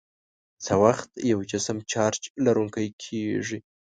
څه وخت یو جسم چارج لرونکی کیږي؟